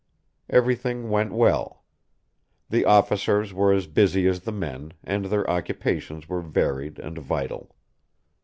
Everything went well. The officers were as busy as the men, and their occupations were varied and vital.